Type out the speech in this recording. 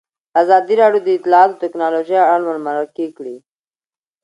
ازادي راډیو د اطلاعاتی تکنالوژي اړوند مرکې کړي.